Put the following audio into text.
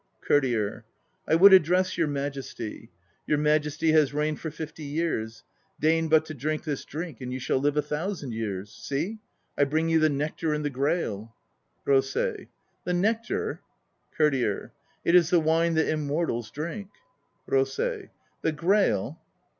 3 COURTIER. I would address your Majesty. Your Majesty has reigned for fifty years. Deign but to drink this drink and you shall live a thousand years. See! I bring you the nectar and the grail. ROSEI. The nectar? COURTIER. It is the wine that Immortals drink. ROSEI. The grail?